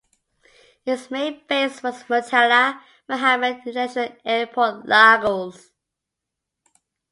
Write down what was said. Its main base was Murtala Mohammed International Airport, Lagos.